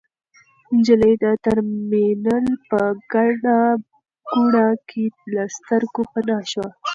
نجلۍ د ترمینل په ګڼه ګوڼه کې له سترګو پناه شوه.